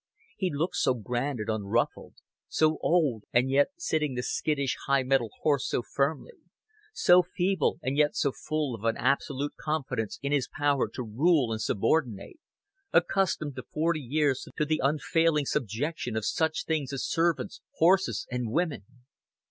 He looked so grand and unruffled so old, and yet sitting the skittish, high mettled horse so firmly; so feeble, and yet full of such an absolute confidence in his power to rule and subordinate, accustomed for forty years to the unfailing subjection of such things as servants, horses, and women.